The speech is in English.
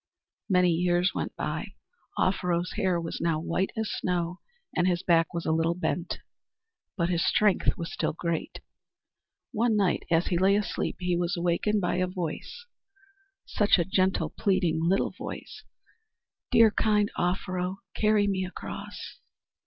Many years went by. Offero's hair was now white as snow and his back was a little bent. But his strength was still great. One night, as he lay asleep, he was awakened by a voice, such a gentle, pleading little voice "Dear, good, kind Offero, carry me across!"